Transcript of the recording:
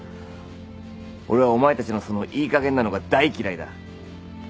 俺はお前たちのそのいいかげんなのが大嫌いだ。